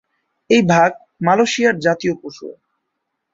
এই বাঘ মালয়েশিয়ার জাতীয় পশু।